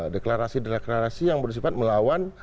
deklarasi deklarasi yang bersifat melawan